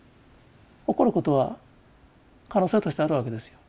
起こることは可能性としてあるわけですよ。